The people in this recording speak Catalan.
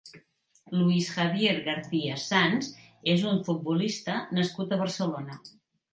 Luis Javier García Sanz és un futbolista nascut a Badalona.